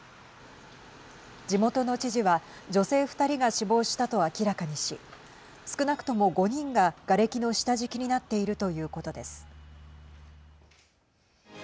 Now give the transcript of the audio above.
地元の知事は女性２人が死亡したと明らかにし少なくとも５人ががれきの下敷きになっているということです。